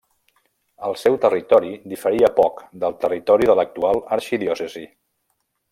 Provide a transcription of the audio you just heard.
El seu territori diferia poc del territori de l'actual arxidiòcesi.